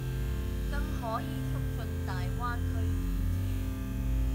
更可以促進大灣區建設